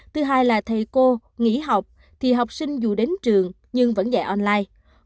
thứ hai là thầy cô nghỉ học thì học sinh dù đến trường nhưng vẫn dạy online